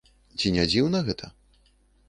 Ці не дзіўна гэта?